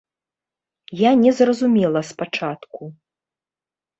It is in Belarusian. Я не зразумела спачатку.